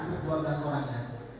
untuk dua belas orang ya